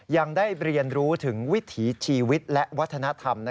ยังได้เรียนรู้ถึงวิถีชีวิตและวัฒนธรรม